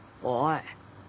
おい。